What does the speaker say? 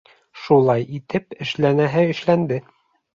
Шулай итеп, эшләнәһе эшләнде.